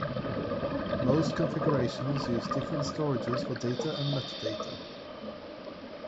Most configurations use different storages for data and metadata.